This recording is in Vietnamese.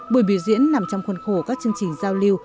buổi biểu diễn nằm trong khuôn khổ các chương trình giao lưu